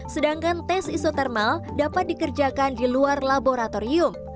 sedangkan tes isotermal dapat dikerjakan di luar laboratorium